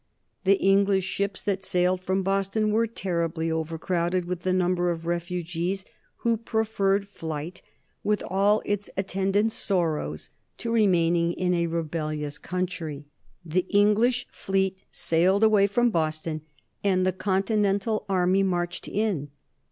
The English ships that sailed from Boston were terribly overcrowded with the number of refugees who preferred flight, with all its attendant sorrows, to remaining in a rebellious country. The English fleet sailed away from Boston and the Continental Army marched in.